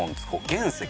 原石。